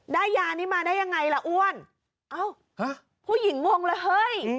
ยานี้มาได้ยังไงล่ะอ้วนเอ้าผู้หญิงงงเลยเฮ้ย